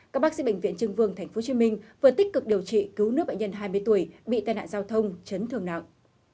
các bác sĩ bệnh viện trưng vương tp hcm vừa tích cực điều trị cứu nước bệnh nhân hai mươi tuổi bị tai nạn giao thông chấn thương nặng